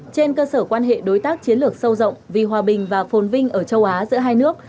trên cơ sở quan hệ đối tác chiến lược sâu rộng vì hòa bình và phồn vinh ở châu á giữa hai nước